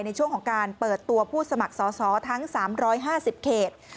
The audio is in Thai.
ในช่วงของการเปิดตัวผู้สมัครสอสอทั้ง๓๕๐เขต